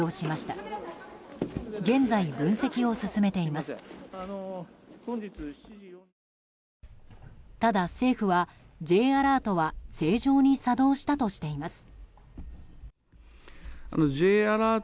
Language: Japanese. ただ政府は、Ｊアラートは正常に作動したとしています。